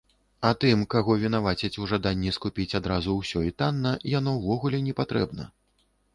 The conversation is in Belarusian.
А тым, каго вінавацяць у жаданні скупіць адразу ўсё і танна, яно ўвогуле непатрэбна.